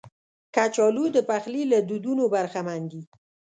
کچالو د پخلي له دودونو برخمن دي